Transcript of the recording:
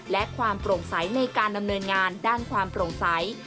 และความโปร่งใสในการดำเนินงานด้านความโปร่งใส